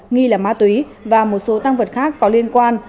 nghi là ma túy và một số tăng vật khác có liên quan